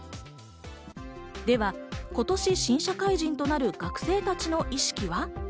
では今年、新社会人となる学生たちの意識は？